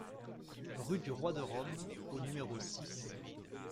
Rue du Roi de Rome au numéro six